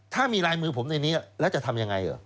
ถ้ามีลายมือผมในนี้แล้วจะทำยังไงเหรอ